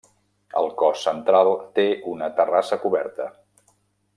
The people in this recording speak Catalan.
El cos central té una terrassa coberta.